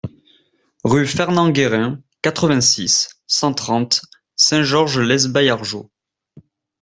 Rue Fernand Guérin, quatre-vingt-six, cent trente Saint-Georges-lès-Baillargeaux